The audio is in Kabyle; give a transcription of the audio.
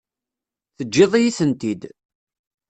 Teǧǧiḍ-iyi-tent-id.